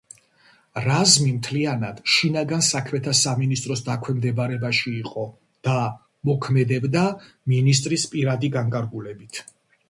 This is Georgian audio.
რაზმი მთლიანად შინაგან საქმეთა სამინისტროს დაქვემდებარებაში იყო და მოქმედებდა მინისტრის პირადი განკარგულებით.